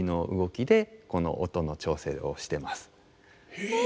へえ。